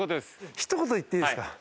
ひと言言っていいですか？